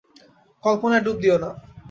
কল্পনায় ডুব দিও না।